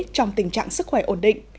trong tình trạng sức khỏe ổn định